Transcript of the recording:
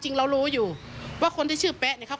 โยต้องกล้าภาษณ์อยากให้คุณผู้ชมได้ฟัง